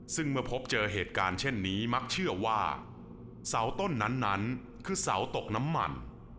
ซึ่งเมื่อพบเจอเหตุการณ์เช่นนี้มักเชื่อว่าเสาต้นนั้นคือเสาตกน้ำมัน